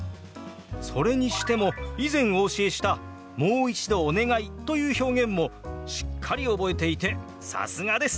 それにしても以前お教えした「もう一度お願い」という表現もしっかり覚えていてさすがです！